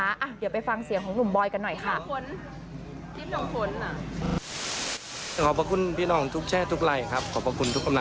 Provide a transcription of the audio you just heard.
เดี๋ยวไปฟังเสียงของหนุ่มบอยกันหน่อยค่ะ